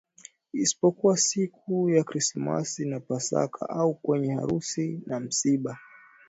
isipokuwa siku ya Krismasi na Pasaka au kwenye harusi na misiba